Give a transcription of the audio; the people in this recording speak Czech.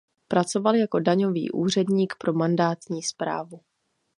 Pracoval jako daňový úředník pro mandátní správu.